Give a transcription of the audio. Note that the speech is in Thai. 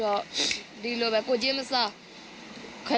หรือแดกเหมือนแด่วนะครับ